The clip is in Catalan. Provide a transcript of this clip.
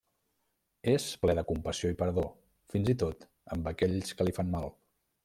És ple de compassió i perdó, fins i tot amb aquells que li fan mal.